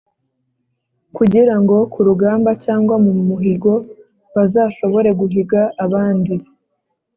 kugira ngo ku rugamba cyangwa mu muhigo bazashobore guhiga abandi.